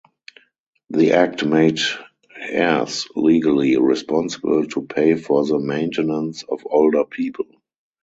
The act made heirs legally responsible to pay for the maintenance of older people.